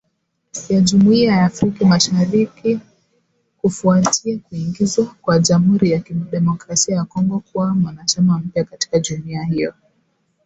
ya Jumuiya ya Afrika Mashariki kufuatia kuingizwa kwa Jamhuri ya Kidemokrasi ya Kongo kuwa mwanachama mpya katika jumuiya hiyo